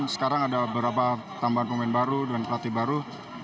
sekarang ada beberapa tambahan pemain baru dan pelatih baru